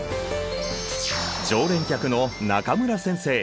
常連客の中村先生。